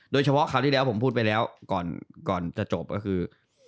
โดยเฉพาะคราวที่เดียวผมพูดไปแล้วก่อนจะจบก็คือ